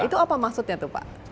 itu apa maksudnya tuh pak